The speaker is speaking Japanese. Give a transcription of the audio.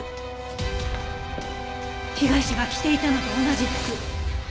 被害者が着ていたのと同じ服！